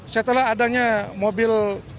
setelah adanya mobil